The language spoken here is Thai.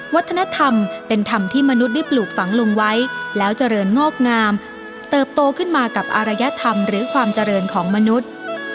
วัฒนธรรมเป็นธรรมที่มนุษย์ได้ปลูกฝังลุงไว้แล้วเจริญงอกงามเติบโตขึ้นมากับอารยธรรมหรือความเจริญของมนุษย์